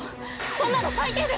そんなの最低です！